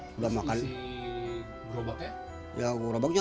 berapa isi berobatnya